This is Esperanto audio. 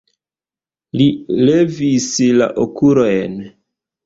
Li levis la okulojn.